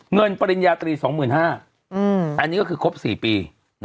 เงินปริญญาตรี๒๕๐๐๐บาทอันนี้ก็คือครบ๔ปี